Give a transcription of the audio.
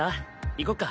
行こっか。